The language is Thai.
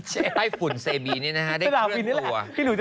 ให้ฝุ่นเซบีนี่นะฮะได้เป็นตัว